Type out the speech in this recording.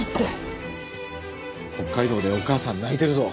北海道でお母さん泣いてるぞ。